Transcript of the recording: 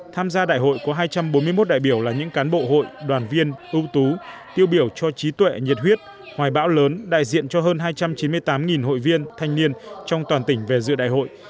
tham gia đại hội có hai trăm bốn mươi một đại biểu là những cán bộ hội đoàn viên ưu tú tiêu biểu cho trí tuệ nhiệt huyết hoài bão lớn đại diện cho hơn hai trăm chín mươi tám hội viên thanh niên trong toàn tỉnh về dự đại hội